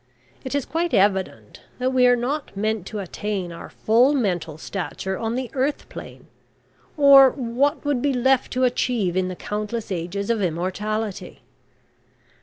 It is quite evident that we are not meant to attain our full mental stature on the earth plane, or what would be left to achieve in the countless ages of immortality?